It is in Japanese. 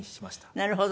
なるほど。